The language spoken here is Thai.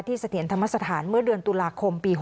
เสถียรธรรมสถานเมื่อเดือนตุลาคมปี๖๐